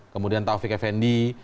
kemudian taufik effendi